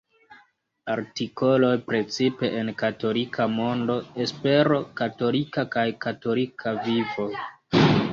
Artikoloj precipe en Katolika Mondo, Espero Katolika kaj Katolika Vivo.